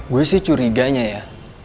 gue sih curiganya